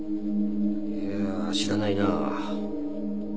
いや知らないな。